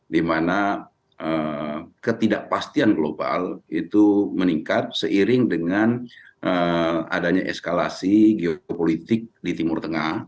dimana ketidakpastian global itu meningkat seiring dengan adanya eskalasi geopolitik di timur tengah